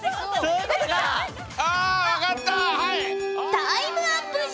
タイムアップじゃ！